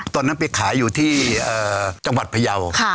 ตอนนั้นไปขายอยู่ที่จังหวัดพยาว